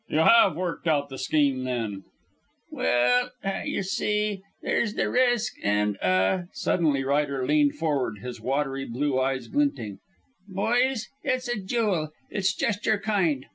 "You have worked out the scheme, then." "Well ah y'see, there's the risk, and ah " Suddenly Ryder leaned forward, his watery blue eyes glinting: "Boys, it's a jewel. It's just your kind.